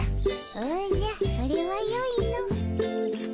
おじゃそれはよいの。